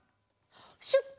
シュッポ！